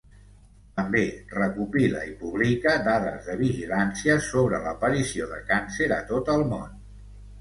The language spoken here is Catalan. També recopila i publica dades de vigilància sobre l'aparició de càncer a tot el món.